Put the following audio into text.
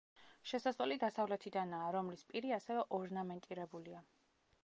შესასვლელი დასავლეთიდანაა, რომლის პირი ასევე ორნამენტირებულია.